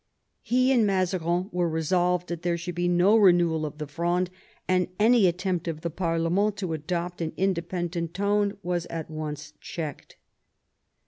He and Mazarin were resolved that there should be no renewal of the Fronde, and any attempt of the parlement to adopt an independent tone was at once checked.